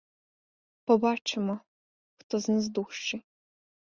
Побачимо, хто з нас дужчий!